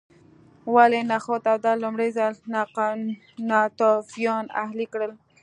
ولې نخود او دال لومړي ځل ناتوفیانو اهلي کړل